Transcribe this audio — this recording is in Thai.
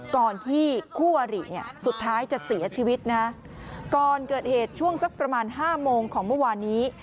ก่อนที่คู่อริเนี่ยสุดท้ายจะเสียชีวิตนะก่อนเกิดเหตุช่วงสักประมาณห้าโมงของเมื่อวานนี้